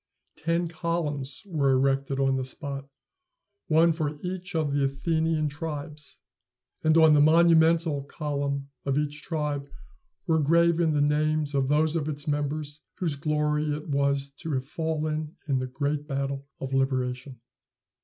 Ten columns were erected on the spot, one for each of the Athenian tribes; and on the monumental column of each tribe were graven the names of those of its members whose glory it was to have fallen in the great battle of liberation.